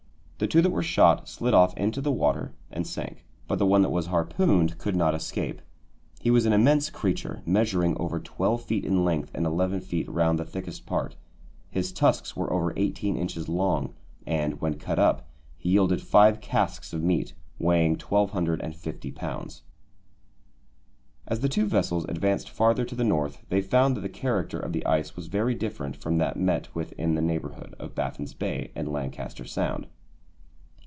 The two that were shot slid off into the water and sank, but the one that was harpooned could not escape. He was an immense creature, measuring over twelve feet in length and eleven feet round the thickest part; his tusks were over eighteen inches long, and, when cut up, he yielded five casks of meat, weighing 1250 lbs. As the two vessels advanced farther to the North they found that the character of the ice was very different from that met with in the neighbourhood of Baffin's Bay and Lancaster Sound.